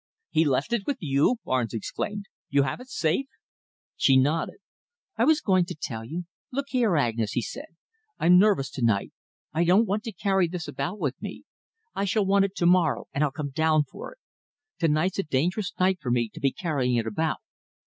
"He left it with you?" Barnes exclaimed. "You have it safe?" She nodded. "I was going to tell you. 'Look here, Agnes,' he said, 'I'm nervous to night. I don't want to carry this about with me. I shall want it to morrow and I'll come down for it. To night's a dangerous night for me to be carrying it about.'